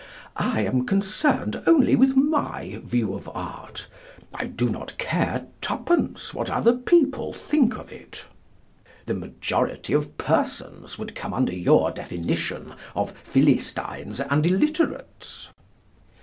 I am concerned only with my view of art. I do not care twopence what other people think of it. The majority of persons would come under your definition of Philistines and illiterates?